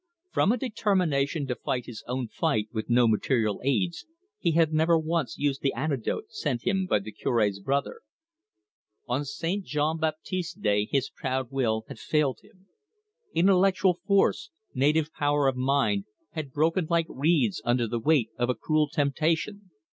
From a determination to fight his own fight with no material aids, he had never once used the antidote sent him by the Cure's brother. On St. Jean Baptiste's day his proud will had failed him; intellectual force, native power of mind, had broken like reeds under the weight of a cruel temptation.